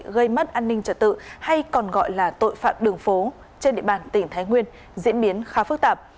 gây mất an ninh trật tự hay còn gọi là tội phạm đường phố trên địa bàn tỉnh thái nguyên diễn biến khá phức tạp